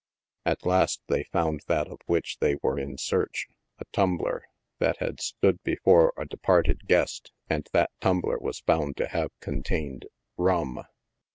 At last they found that of which they were in search — a tumbler that had stood before a departed guest, and that tumbler was found to have contained — rum.